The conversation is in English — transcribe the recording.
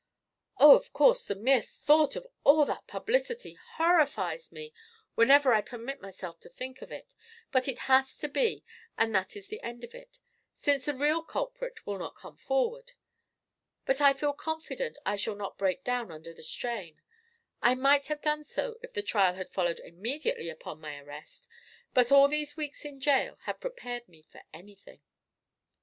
"Oh, of course, the mere thought of all that publicity horrifies me whenever I permit myself to think of it, but it has to be, and that is the end of it, since the real culprit will not come forward. But I feel confident I shall not break down under the strain. I might have done so if the trial had followed immediately upon my arrest, but all these weeks in jail have prepared me for anything."